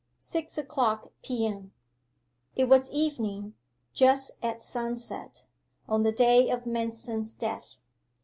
SIX O'CLOCK P.M. It was evening just at sunset on the day of Manston's death.